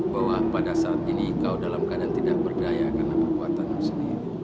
bahwa pada saat ini kau dalam keadaan tidak berdaya karena perbuatanmu sendiri